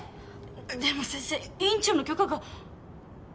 でも先生院長の許可が。